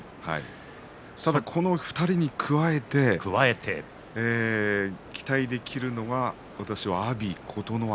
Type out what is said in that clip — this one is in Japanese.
この２人に加えて期待できるのが私は阿炎琴ノ若